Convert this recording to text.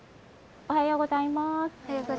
おはようございます。